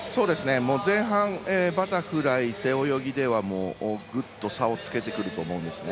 前半バタフライ、背泳ぎではぐっと差をつけてくると思うんですね。